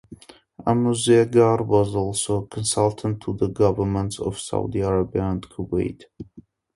Amouzegar was also a consultant to the governments of Saudi Arabia and Kuwait.